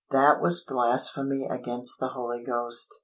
That was blasphemy against the Holy Ghost.